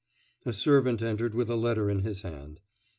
A servant entered with a letter in his hand.